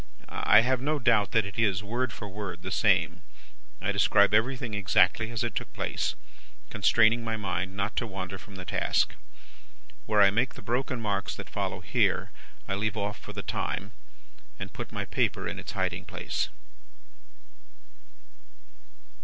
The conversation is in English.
I have no doubt that it is, word for word, the same. I describe everything exactly as it took place, constraining my mind not to wander from the task. Where I make the broken marks that follow here, I leave off for the time, and put my paper in its hiding place.